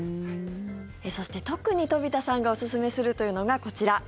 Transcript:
そして、特に飛田さんがおすすめするというのがこちら。